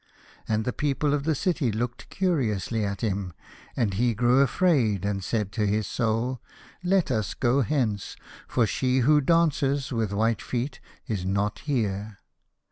And the people of the city looked curiously at him, and he grew afraid and said to his Soul, " Let us go hence, for she who dances with white feet is not here."